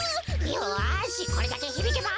よしこれだけひびけば。